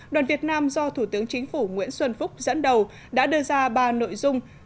đoàn việt nam do thủ tướng chính phủ nguyễn xuân phúc dẫn đầu đã đưa ra ba nội dung